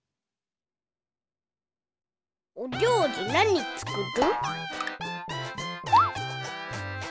おりょうりなにつくる？